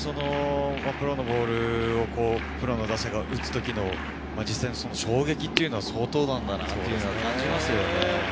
プロのボールを、プロの打者が打つ時の衝撃というのは相当なんだなと感じますね。